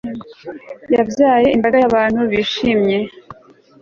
Yabyaye imbaga yabantu bishimye